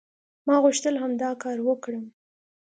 ما غوښتل همدا کار وکړم".